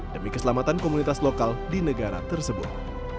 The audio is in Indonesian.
demi keselamatan komunitas lokal di negara tersebut